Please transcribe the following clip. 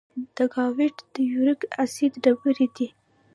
د ګاؤټ د یوریک اسید ډبرې دي.